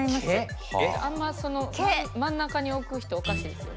あんまその真ん中に置く人おかしいですよ。